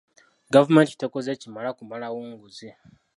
Gavumenti tekoze kimala kumalawo nguzi.